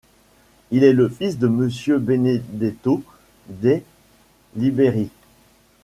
Il est le fils de monsieur Benedetto dei Liberi.